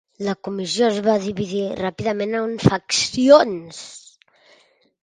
La comissió es va dividir ràpidament en faccions.